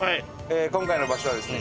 今回の場所はですね